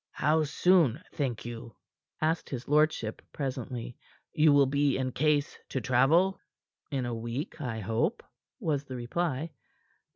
"How soon, think you," asked his lordship presently, "you will be in case to travel?" "In a week, I hope," was the reply.